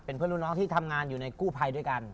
เพื่อนรุ่นน้องที่ทำงานอยู่ในกู้ภัยด้วยกัน